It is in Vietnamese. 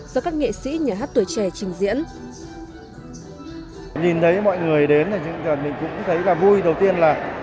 do các nghệ sĩ nhà hát tuổi trẻ trình diễn